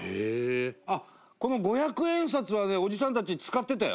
この五百円札はねおじさんたち使ってたよ。